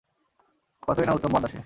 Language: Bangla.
কতই না উত্তম বান্দা সে!